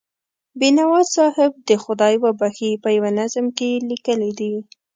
بینوا صاحب دې خدای وبښي، په یوه نظم کې یې لیکلي دي.